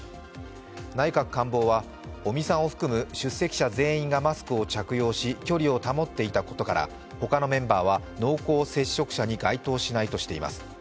内閣官房は尾身さんを含む出席者全員がマスクを着用し、距離を保っていたことから他のメンバーは濃厚接触者に該当しないとしています。